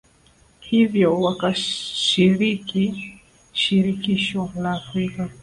hivyo wakashiriki Shirikisho la Afrika